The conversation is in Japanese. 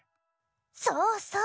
そうそう。